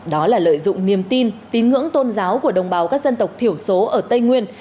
đó là lợi dụng niềm tin tín ngưỡng tôn giáo của đồng bào các dân tộc thiểu số ở tây nguyên